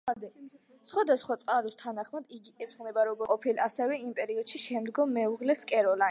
სხვადასხვა წყაროს თანახმად, იგი ეძღვნება როგორც უოტერსის ყოფილ, ასევე იმ პერიოდში შემდგომ მეუღლეს, კეროლაინს.